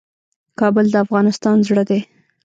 کابل د افغانستان زړه دی